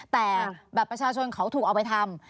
แต่บัตรประชาชนเขาถูกเอาไปทำ